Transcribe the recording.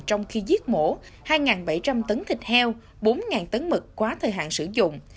trong khi giết mổ hai bảy trăm linh tấn thịt heo bốn tấn mực quá thời hạn sử dụng